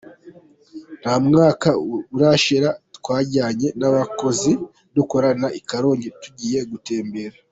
Nta mwaka urashira, twajyanye n’abakozi dukorana i Karongi tugiye gutembera.